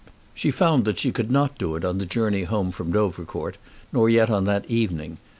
She found that she could not do it on the journey home from Dovercourt, nor yet on that evening.